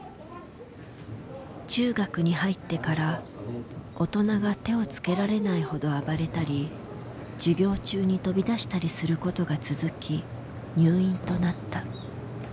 中学に入ってから大人が手をつけられないほど暴れたり授業中に飛び出したりすることが続き入院となった。